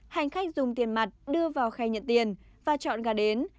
hành khách dùng tiền mặt đưa vào khay nhận tiền và chọn gà đến